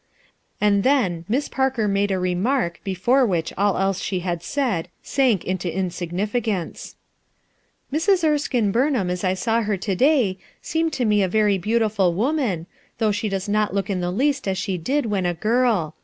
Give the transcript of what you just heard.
And then, Miss Parker made a remark Ijcforc which all else that ahc had said sank into insig nificance. "Mrs, Erftkinc Bumham as I saw her to day, fccemcd to rne a very beautiful woman, though 202 RUTH ERSKINE'S SON she does not look in the least as she did when girl.